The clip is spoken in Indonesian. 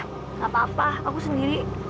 tidak apa apa aku sendiri